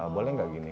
boleh nggak gini